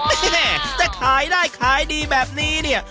แม่จะขายได้ขายดีแบบนี้เนี่ย